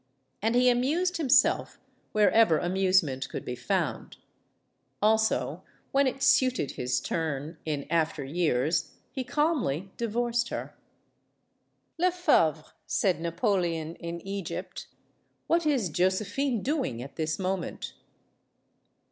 And he amused himself wherever amusement could be found. MADAME RECAMIER 237 Also, when it suited his turn in after years he calmly divorced her. "Lefebvre," said Napoleon, in Egypt, "what is Jo sephine doing at this moment?"